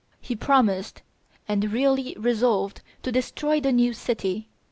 He promised and really resolved to destroy the new city.